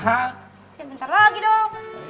ya bentar lagi dong